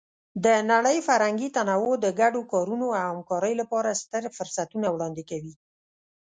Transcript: د نړۍ فرهنګي تنوع د ګډو کارونو او همکارۍ لپاره ستر فرصتونه وړاندې کوي.